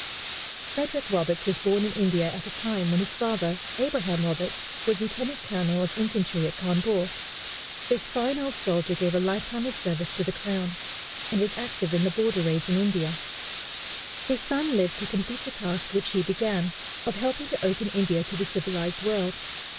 Frederick Roberts was born in India at a time when his father, Abraham Roberts, was lieutenant colonel of infantry at Cawnpore. This fine old soldier gave a life time of service to the crown, and was active in the border raids in India. His son lived to complete the task which he began, of helping to open India to the civilized world.